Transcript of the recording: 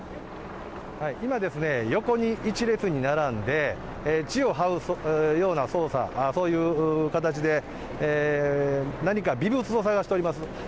今ですね、横に１列に並んで、地をはうような捜査、そういう形で、何かびぶつを探しております。